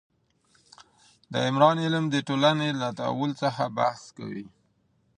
د عمران علم د ټولنې له تحول څخه بحث کوي.